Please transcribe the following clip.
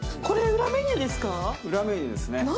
裏メニューですね。